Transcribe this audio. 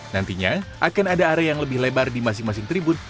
nantinya akan ada area yang lebih lebar di masing masing tribun